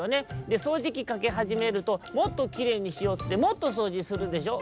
でそうじきかけはじめるともっときれいにしようってもっとそうじするでしょ？」。